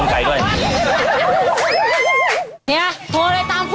เนี่ยโมเลยตามพวกโมเลยตามมาเลย